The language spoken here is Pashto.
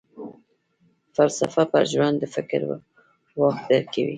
فلسفه پر ژوند د فکر واک درکوي.